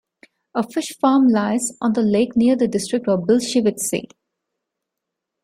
A fish farm lies on the lake near the district of Bilshivtsi.